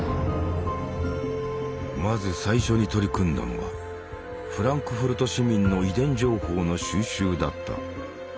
まず最初に取り組んだのはフランクフルト市民の遺伝情報の収集だった。